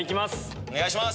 お願いします！